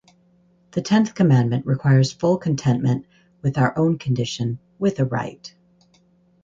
The tenth commandment requires full contentment with our own condition, with a right